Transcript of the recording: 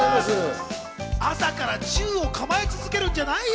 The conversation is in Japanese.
朝から銃を構え続けるんじゃないよ！